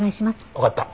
わかった。